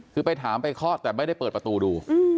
คือไปถามไปคลอดแต่ไม่ได้เปิดประตูดู